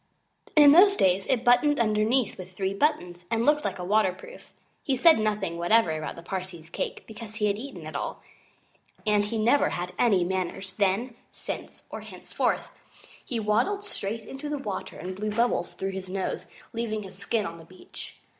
In those days it buttoned underneath with three buttons and looked like a waterproof. He said nothing whatever about the Parsee's cake, because he had eaten it all; and he never had any manners, then, since, or henceforward. He waddled straight into the water and blew bubbles through his nose, leaving his skin on the beach.